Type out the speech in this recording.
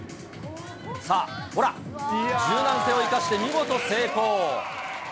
さあ、ほら、柔軟性を生かして見事成功。